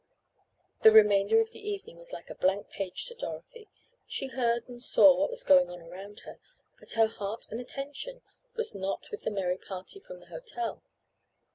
The remainder of the evening was like a blank page to Dorothy. She heard and saw what was going on around her, but her heart and her attention was not with the merry little party from the hotel.